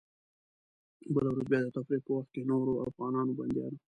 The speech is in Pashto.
بله ورځ بیا د تفریح په وخت کې نورو افغان بندیانو.